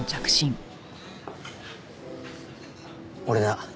俺だ。